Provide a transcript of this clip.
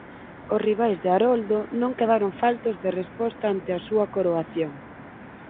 Os rivais de Haroldo non quedaron faltos de resposta ante a súa coroación.